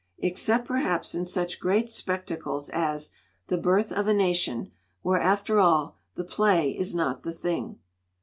Except perhaps in such great spectacles as "The Birth of a Nation,' where, after all, the play is not the thing."